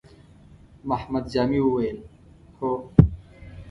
محمد جامي وويل: هو!